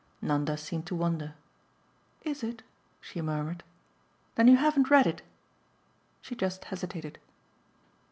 Nanda seemed to wonder. "Is it?" she murmured. "Then you haven't read it?" She just hesitated.